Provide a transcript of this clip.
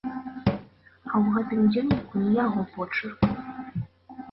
А ў гэтым дзённіку не яго почырк.